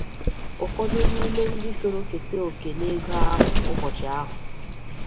ụfọdụ n'ime ndị soro keta òkè n'ego ahụ ụbọchị ahụ